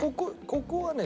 ここはね